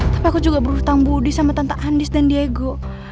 tapi aku juga berhutang budi sama tante andis dan diego